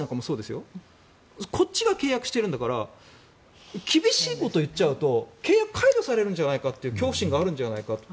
こっちが契約してるんだから厳しいことを言っちゃうと契約解除されるんじゃないかという恐怖心があるんじゃないかと。